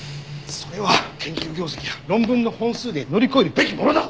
それは研究業績や論文の本数で乗り越えるべきものだ！